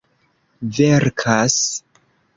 verkas